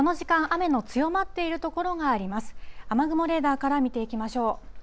雨雲レーダーから見ていきましょう。